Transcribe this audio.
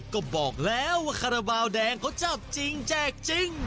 ก็บอกแล้วว่าคาราบาลแดงเขาจับจริงแจกจริง